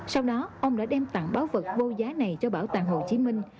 sau đó ông đã đem tặng báo vật vô giá này cho bảo tàng hồ chí minh